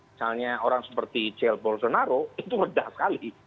misalnya orang seperti jel bolsonaro itu redah sekali